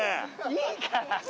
いいから。